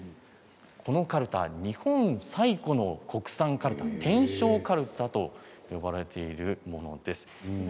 このカルタ、日本最古の国産カルタ天正カルタと呼ばれているものです。